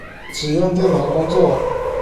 只用電腦工作